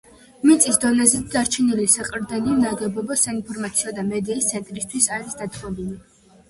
მიწის დონეზე დარჩენილი საყრდენი ნაგებობა საინფორმაციო და მედიის ცენტრისთვის არის დათმობილი.